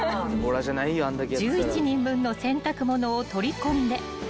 ［１１人分の洗濯物を取り込んで畳む］